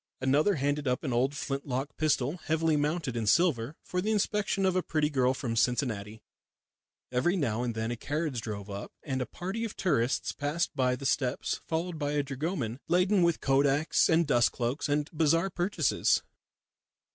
Another handed up an old flint lock pistol, heavily mounted in silver, for the inspection of a pretty girl from Cincinnati. Every now and then a carriage drove up, and a party of tourists passed up the steps, followed by a dragoman laden with kodaks, and dust cloaks, and bazaar purchases.